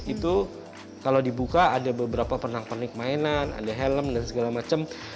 itu kalau dibuka ada beberapa penang pernik mainan ada helm dan segala macam